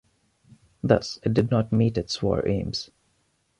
Thus, it did not meet its war aims.